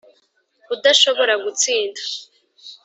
udashobora gutsinda.